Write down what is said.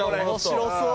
面白そう！